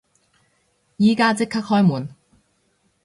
而家即刻開門！